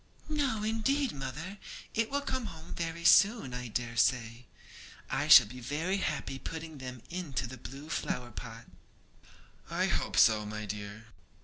'No, indeed, mother; it will come home very soon, I dare say. I shall be very happy putting them into the blue flower pot.' 'I hope so, my dear.'